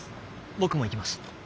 僕も行きます。